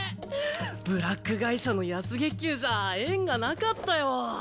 ブラック会社の安月給じゃ縁がなかったよ。